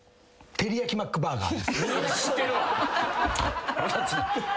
「てりやきマックバーガー」